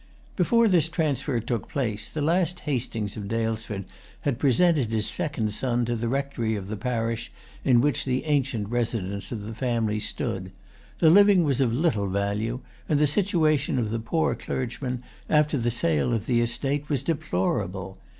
Before this transfer took place, the last Hastings of Daylesford had presented his second son to the rectory of the parish in which the ancient residence of the family stood. The living was of little value; and the situation of the poor clergyman, after the sale of the estate, was deplorable.